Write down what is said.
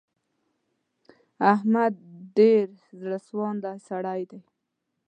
احمد ډېر زړه سواندی سړی دی.